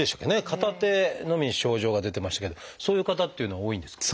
片手のみ症状が出てましたけどそういう方っていうのは多いんですか？